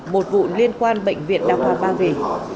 một vụ liên quan bệnh viện đa khoa ba vì